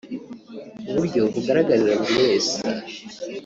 Ku buryo bugaragarira buri wese